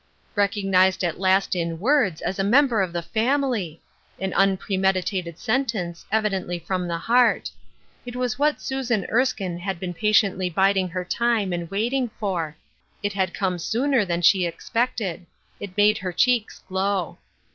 Recognized at last in words as a member of the family ! An unpremeditated sentence, evidently from the heart. It was what Susan Erskine had been patiently biding her time and waiting for. It had come sooner than she expected. It made her cheeks glow.